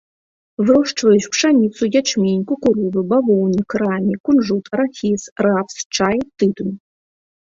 Вырошчваюць пшаніцу, ячмень, кукурузу, бавоўнік, рамі, кунжут, арахіс, рапс, чай, тытунь.